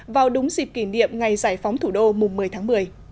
vào đúng dịp kỷ niệm ngày giải phóng thủ đô mùng một mươi tháng một mươi